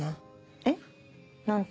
えっ？何て？